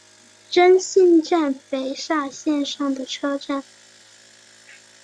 真幸站肥萨线上的车站。